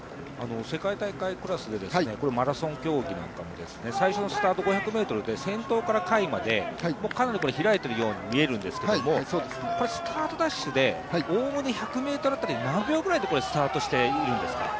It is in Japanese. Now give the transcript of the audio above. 世界大会クラスで、マラソン競技なんかも最初のスタート５００ｍで先頭から下位までかなり開いてるように見えるんですけどスタートダッシュでおおむね１００ｍあたり何秒ぐらいでスタートしているんですか？